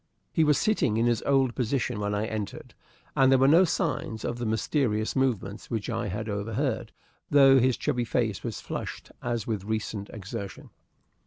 He was sitting in his old position when I entered, and there were no signs of the mysterious movements which I had overheard, though his chubby face was flushed as with recent exertion.